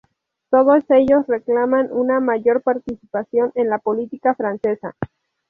Todos ellos reclaman una mayor participación en la política francesa.